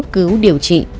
cứu điều trị